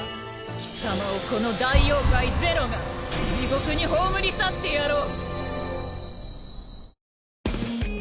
貴様をこの大妖怪是露が地獄に葬り去ってやろう！